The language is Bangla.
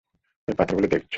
অই পাথরগুলো দেখছ?